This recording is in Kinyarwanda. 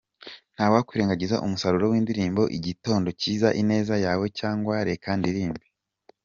Ntawakwirengagiza umusaruro w’indrimbo Igitondo cyiza, Ineza yawe cyangwa Reka ndirimbe.